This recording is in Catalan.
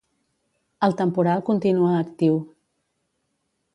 El temporal continua actiu.